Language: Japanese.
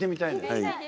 はい。